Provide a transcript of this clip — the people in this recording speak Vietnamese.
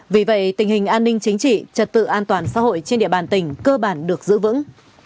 vì vậy tình hình an ninh chính trị trật tự an toàn xã hội trên địa bàn tỉnh cơ bản được giữ vững